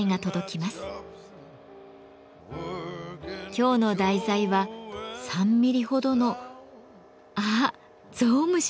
今日の題材は３ミリほどのあっゾウムシだ。